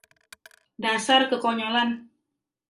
Dasar kekonyolan!